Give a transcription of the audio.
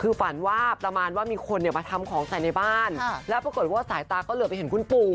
คือฝันว่าประมาณว่ามีคนเนี่ยมาทำของใส่ในบ้านแล้วปรากฏว่าสายตาก็เหลือไปเห็นคุณปู่